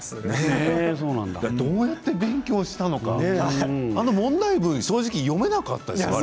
どうやって勉強したのかあの問題文、正直読めなかったです